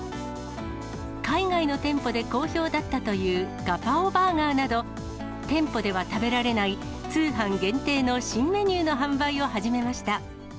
海外の店舗で好評だったというガパオバーガーなど、店舗では食べられない通販限定の新メニューの販売を始めました。